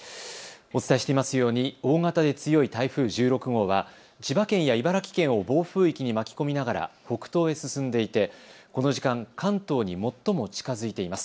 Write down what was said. お伝えしていますように大型で強い台風１６号は千葉県や茨城県を暴風域に巻き込みながら北東へ進んでいてこの時間、関東に最も近づいています。